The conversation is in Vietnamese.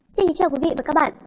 xin chào quý vị và các bạn